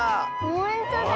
ほんとだ。